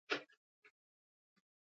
او د اووه بجو شا او خوا خودکشي وکړه.